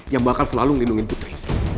yang bakal selalu melindungi putri